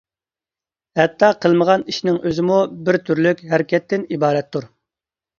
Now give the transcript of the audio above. ھەتتا قىلمىغان ئىشنىڭ ئۆزىمۇ بىر تۈرلۈك ھەرىكەتتىن ئىبارەتتۇر.